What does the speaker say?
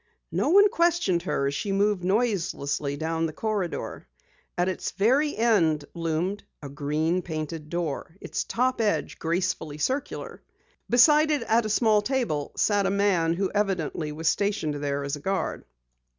No one questioned her as she moved noiselessly down the corridor. At its very end loomed a green painted door, its top edge gracefully circular. Beside it at a small table sat a man who evidently was stationed there as a guard.